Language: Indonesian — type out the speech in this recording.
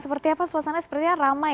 seperti apa suasana sepertinya ramai